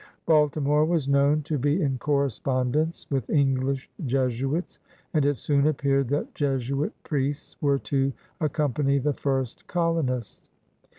Baltimore was known to be in correspondence with English Jesuits, and it soon appeared that Jesuit priests were to accom* pany the first colonists.